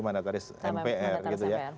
mandataris mpr gitu ya